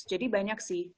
jadi banyak sih